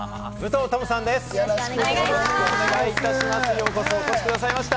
ようこそお越しくださいました。